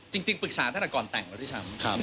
จริงปรึกษาถ้าแต่ก่อนแต่งเนอะที่ชั้น